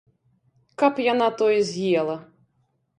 Каб яна тое з'ела!